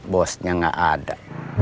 bosnya gak ada